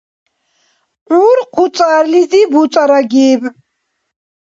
Гӏур хъуцӏарлизи буцӏарагиб.